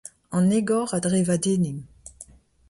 An egor a drevadennimp.